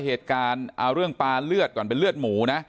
เหตุการณ์เอาเรื่องปลาเลือดก่อนเป็นเลือดหมูนะ